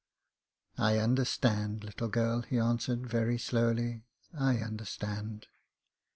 "I understand, little girl," he answered, very slowly. "I understand."